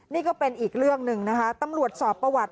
นี่ก็เป็นอีกเรื่องหนึ่งนะคะตำรวจสอบประวัติ